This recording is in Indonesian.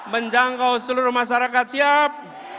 menjangkau seluruh masyarakat siap